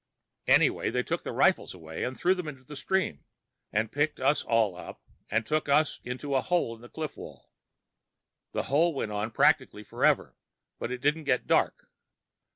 Anyway, they took the rifles away and threw them into the stream, and picked us all up and took us into a hole in the cliff wall. The hole went on practically forever, but it didn't get dark.